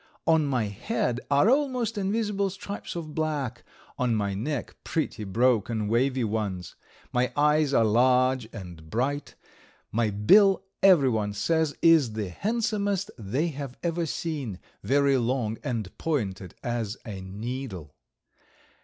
On my head are almost invisible stripes of black, on my neck pretty broken wavy ones. My eyes are large and bright, my bill everyone says is the handsomest they have ever seen, very long and pointed as a needle.